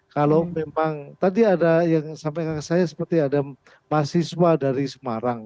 kalau memang tadi ada yang sampai ke saya seperti ada mahasiswa dari semarang